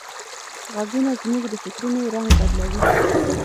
غږونه زموږ د فکرونو رنگ بدلوي.